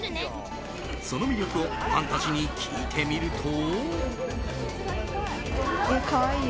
その魅力をファンたちに聞いてみると。